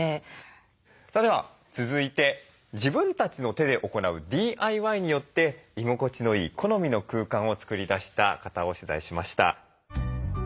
さあでは続いて自分たちの手で行うＤＩＹによって居心地のいい好みの空間を作り出した方を取材しました。